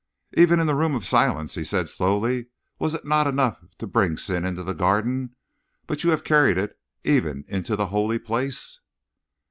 "Even in the Room of Silence!" he said slowly. "Was it not enough to bring sin into the Garden? But you have carried it even into the holy place!"